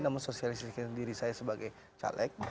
namun sosialisasi diri saya sebagai caleg